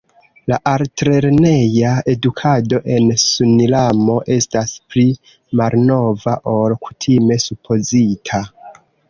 La altlerneja edukado en Surinamo estas pli malnova ol kutime supozita.